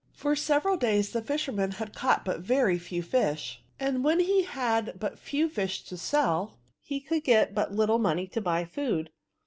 For several days the fisherman had caught but very few fish ; and when he had but few fish to sell^ he could get but little money to buy food.